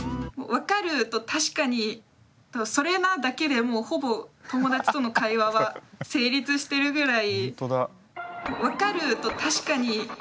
「分かる」と「確かに」と「それな」だけでもうほぼ友だちとの会話は成立してるぐらい。